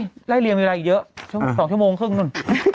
เฮ้ยไร้เรียงอะไรอีกเยอะ๒ชั่วโมงครึ่งด้วย